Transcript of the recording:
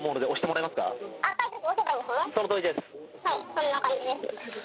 こんな感じです。